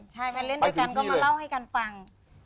ใช่มาเล่นด้วยกันก็มาเล่าให้กันฟัง